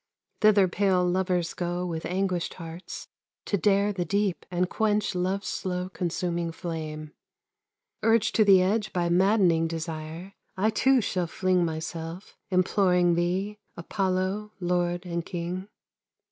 Thither pale lovers go With anguished hearts To dare the deep and quench Love's slow consuming flame. Urged to the edge By maddening desire, I, too, shall fling myself Imploring thee, Apollo, lord and king!